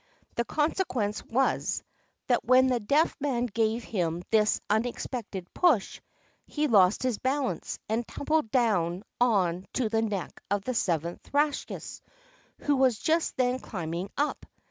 The consequence was, that when the Deaf Man gave him this unexpected push, he lost his balance and tumbled down on to the neck of the seventh Rakshas, who was just then climbing up.